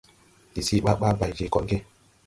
Ndi see ɓaa ɓaa bay je koɗge.